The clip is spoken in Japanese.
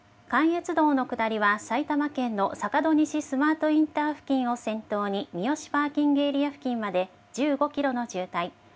関越道の下りは、埼玉県の坂戸西スマートインター付近を先頭に、三芳パーキングエリア付近まで１５キロの渋滞。